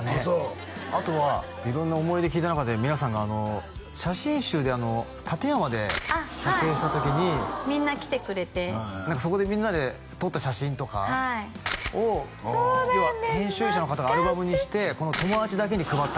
そうあとは色んな思い出聞いた中で皆さんが写真集で館山で撮影した時にあっはいみんな来てくれてそこでみんなで撮った写真とかを編集者の方がアルバムにしてそうなんです